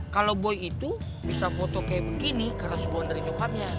kalo boy itu bisa foto kayak begini karena sebuah dari nyokapnya